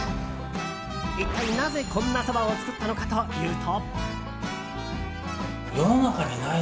一体、なぜこんなそばを作ったのかというと。